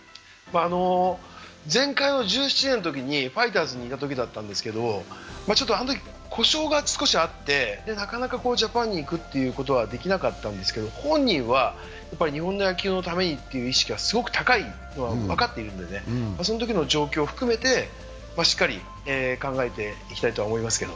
前回の１７年のときにファイターズにいたときだったんですけど、あのとき故障が少しあって、なかなかジャパンに行くことはできなかったんですけど本人は日本の野球のためにという意識がすごく高いことが分かっているので、そのときの状況を含めてしっかり考えていきたいとは思いますけど。